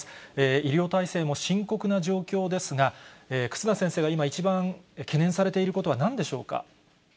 医療体制も深刻な状況ですが、忽那先生が今、一番懸念されていることはなんでしょうか。